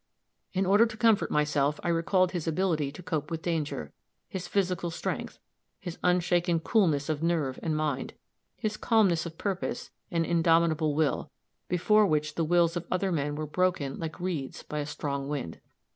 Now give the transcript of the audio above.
In order to comfort myself, I recalled his ability to cope with danger his physical strength, his unshaken coolness of nerve and mind, his calmness of purpose and indomitable will, before which the wills of other men were broken like reeds by a strong wind.